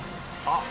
あっ！